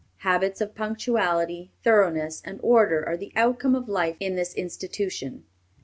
Habits of punctuality, thoroughness, and order are the outcome of life in this institution.